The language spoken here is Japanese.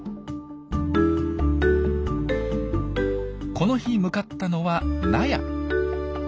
この日向かったのは納屋。